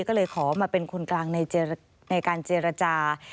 ก็เลยขอมาเป็นคนกลางในการเจรจา